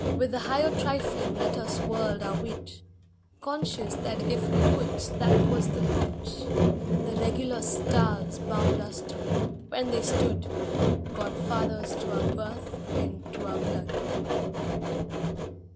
With the higher trifling let us world our wit, Conscious that, if we do't, that was the lot The regular stars bound us to, when they stood Godfathers to our birth and to our blood.